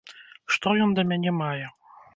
Што ён да мяне мае!